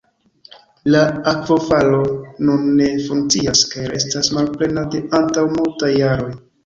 La akvofalo nun ne funkcias kaj restas malplena de antaŭ multaj jaroj.